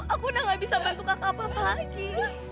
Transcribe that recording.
aku udah gak bisa bantu kakak apa apa lagi